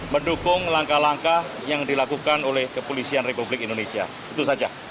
mendukung langkah langkah yang dilakukan oleh kepolisian republik indonesia itu saja